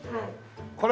これ？